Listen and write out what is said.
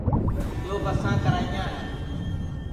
دؔو بساں کریاں ہے